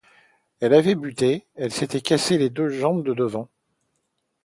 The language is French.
Il avait buté, il s’était cassé les deux jambes de devant.